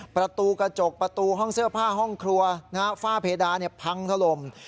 ประตูกระจกประตูห้องเสื้อผ้าห้องครัวฝ้าเพดานพังถล่ม